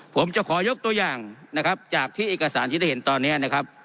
ผมจะขอยกตัวอย่างนะครับจากที่เอกสารที่ได้เห็นตอนนี้นะครับ